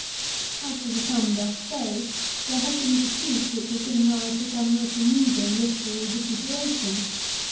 As to the sum thus saved, there has been a dispute which has given rise to some most amusing literary vituperation.